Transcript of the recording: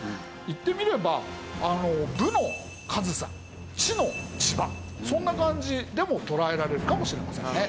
いってみれば武の上総知の千葉そんな感じでも捉えられるかもしれませんね。